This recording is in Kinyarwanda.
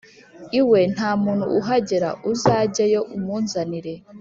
iwe nta muntu uhagera, uzajyeyo umunzanire.”